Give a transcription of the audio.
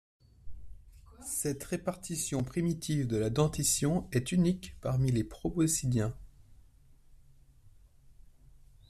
Cette répartition primitive de la dentition est unique parmi les proboscidiens.